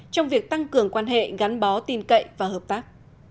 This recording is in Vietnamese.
trong việc tăng cường quan hệ gắn bó tin cậy và hợp tác